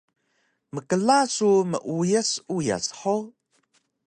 Mkla su meuyas uyas hug?